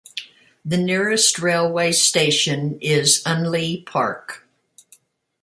The nearest railway station is Unley Park.